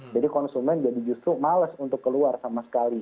jadi konsumen jadi justru males untuk keluar sama sekali